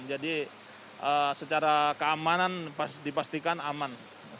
jadi secara keamanan dipastikan aman